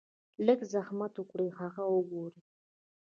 لږ زحمت اوکړئ هغه اوګورئ -